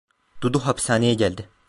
Dudu hapishaneye geldi.